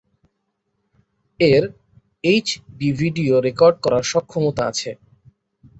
এর HD video record করার সক্ষমতা আছে।